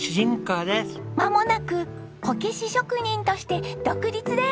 まもなくこけし職人として独立です！